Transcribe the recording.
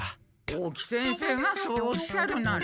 大木先生がそうおっしゃるなら。